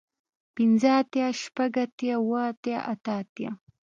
پنځۀ اتيا شپږ اتيا اووه اتيا اتۀ اتيا